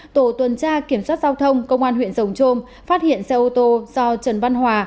tổ tuần tra kiểm soát giao thông công an huyện rồng trôm phát hiện xe ô tô do trần văn hòa